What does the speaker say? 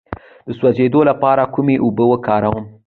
د سوځیدو لپاره کومې اوبه وکاروم؟